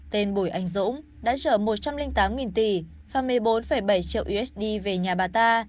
tên bùi anh dũng đã chở một trăm linh tám tỷ và một mươi bốn bảy triệu usd về nhà bà ta